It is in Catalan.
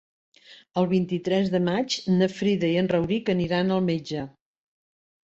El vint-i-tres de maig na Frida i en Rauric aniran al metge.